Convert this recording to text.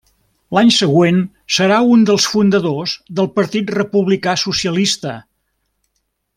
L'any següent serà un dels fundadors del Partit Republicà Socialista.